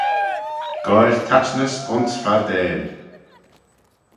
Goaill taitnys ayns fardail.